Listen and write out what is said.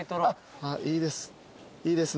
いいです。